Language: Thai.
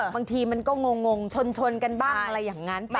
บางทีมันก็งงชนกันบ้างอะไรอย่างนั้น